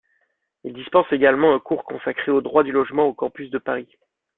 Il dispense également un cours consacré au droit du logement au campus de Paris.